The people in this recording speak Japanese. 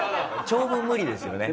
長文無理ですよね。